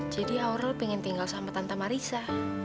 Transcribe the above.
jadi aurel ingin tinggal sama tante marissa